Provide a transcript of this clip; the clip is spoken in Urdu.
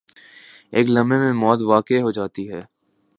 ایک لمحے میں موت واقع ہو جاتی ہے۔